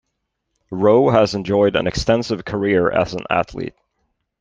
Ro has enjoyed an extensive career as an athlete.